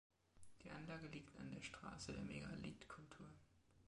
Die Anlage liegt an der Straße der Megalithkultur.